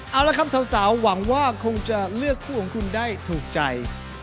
เอาละครับสาวหวังว่าคงจะเลือกคู่ของคุณได้ถูกใจ